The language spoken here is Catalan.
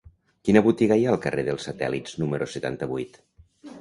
Quina botiga hi ha al carrer dels Satèl·lits número setanta-vuit?